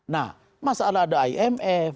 nah masalah ada imf